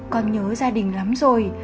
con nhớ gia đình lắm rồi